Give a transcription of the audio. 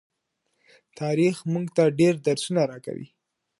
تاریخ مونږ ته ډیر درسونه راکوي.